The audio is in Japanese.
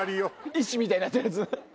石みたいになってるやつ。